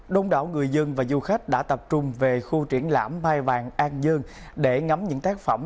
đông đảo người dân và du khách đã tập trung về khu triển lãm mai vàng an dương để ngắm những tác phẩm